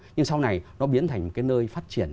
nhưng sau này nó biến thành cái nơi phát triển